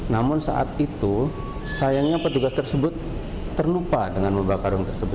namun saat itu sayangnya petugas tersebut terlupa dengan membakar karung tersebut